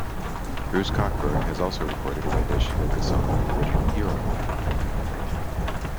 Bruce Cockburn has also recorded a rendition of the song in the original Huron.